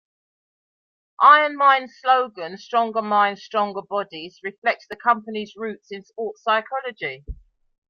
IronMind's slogan, "Stronger Minds, Stronger Bodies," reflects the company's roots in sports psychology.